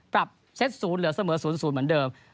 เซต๐เหลือเสมอ๐๐เหมือนเดิม